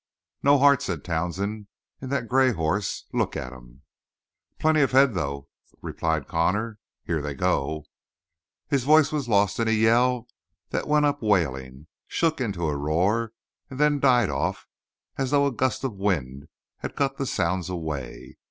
"No heart," said Townsend, "in that gray hoss. Look at him!" "Plenty of head, though," replied Connor; "here they go!" His voice was lost in a yell that went up wailing, shook into a roar, and then died off, as though a gust of wind had cut the sounds away.